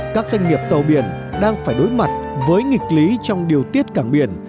các doanh nghiệp tàu biển đang phải đối mặt với nghịch lý trong điều tiết cảng biển